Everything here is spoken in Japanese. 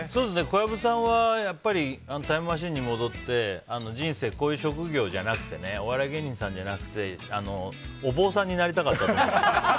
小籔さんは、やっぱりタイムマシンで戻って人生、こういう職業じゃなくてお笑い芸人さんじゃなくてお坊さんになりたかったと思う。